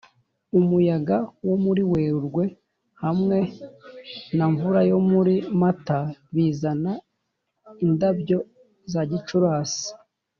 umuyaga wo muri werurwe hamwe na mvura yo muri mata bizana indabyo za gicurasi